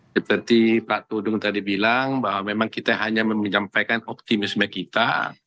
seperti pak tudung tadi bilang bahwa memang kita hanya menyampaikan optimisme kita